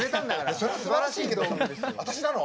それはすばらしいけど私なの？